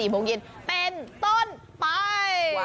๔โมงเย็นเป็นต้นไป